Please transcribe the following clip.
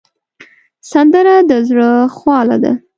سندره د زړه خواله ده